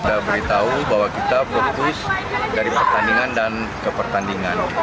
sudah beritahu bahwa kita fokus dari pertandingan dan kepertandingan